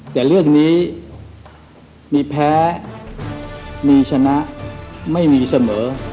แต่เรื่องนี้มีแพ้มีชนะไม่มีเสมอ